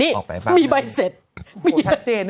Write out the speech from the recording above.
นี้มีใบเสร็จ